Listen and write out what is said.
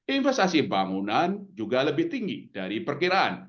investasi bangunan juga lebih tinggi dari perkiraan